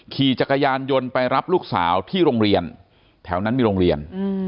ขี่จักรยานยนต์ไปรับลูกสาวที่โรงเรียนแถวนั้นมีโรงเรียน